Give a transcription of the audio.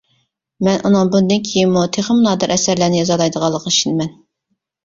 مەن ئۇنىڭ بۇندىن كېيىنمۇ تېخىمۇ نادىر ئەسەرلەرنى يازالايدىغانلىقىغا ئىشىنىمەن.